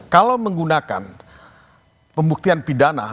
kalau menggunakan pembuktian pidana